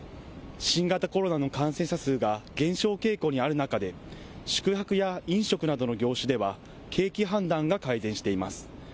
新型コロナの感染者数が減少傾向にある中で、宿泊や飲食などの業種では、景気判断が改善しています。